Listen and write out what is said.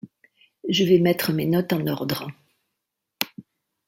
Je vais mettre mes notes en ordre.